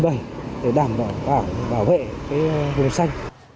và bảo vệ cái vùng xanh